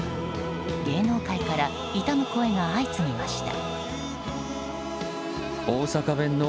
芸能界から悼む声が相次ぎました。